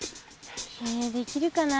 えできるかな？